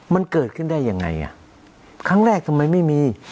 มันเกิดขึ้นได้ยังไงอ่ะครั้งแรกทำไมไม่มี